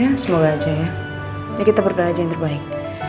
ya semoga aja ya kita berdoa aja yang terbaik